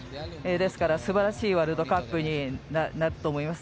ですから、すばらしいワールドカップになると思います。